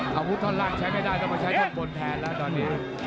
เข้าไปเจอสั่วเห็นมั้ย